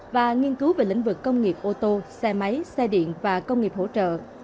và nghiên cứu về lĩnh vực công nghiệp ô tô xe máy xe điện và công nghiệp hỗ trợ